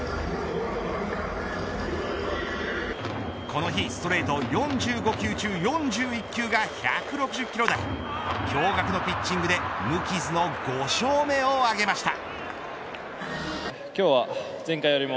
この日ストレート４５球中４１球が１６０キロ台驚がくのピッチングで無傷の５勝目を挙げました。